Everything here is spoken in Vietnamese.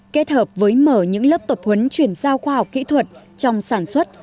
kết hợp với mở những lớp tập huấn chuyển giao khoa học kỹ thuật trong sản xuất